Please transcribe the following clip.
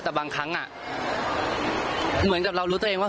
แต่บางครั้งเหมือนกับเรารู้ตัวเองว่า